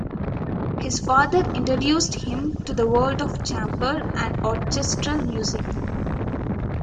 His father introduced him to the world of chamber and orchestral music.